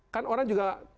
kan orang juga